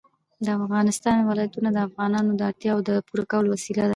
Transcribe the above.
د افغانستان ولايتونه د افغانانو د اړتیاوو د پوره کولو وسیله ده.